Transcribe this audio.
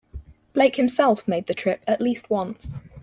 Blake himself made the trip at least once.